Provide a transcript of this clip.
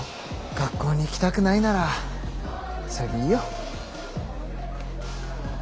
学校に行きたくないならそれでいいよ。